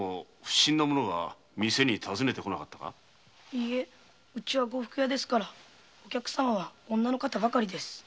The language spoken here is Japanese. いいえうちは呉服屋ですからお客様は女の方ばかりです。